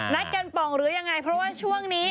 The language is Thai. กันป่องหรือยังไงเพราะว่าช่วงนี้